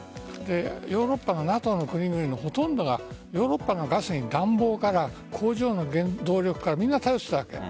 ヨーロッパのＮＡＴＯの国々のほとんどがヨーロッパのガスに暖房から工場の原動力からみんな頼っていたわけ。